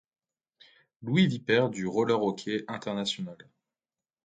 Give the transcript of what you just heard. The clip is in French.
Louis Vipers du Roller Hockey International.